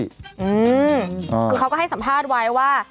คือเขาก็ให้สัมภาษณ์ไว้ว่า